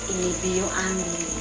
ini biu ambil bagian ekor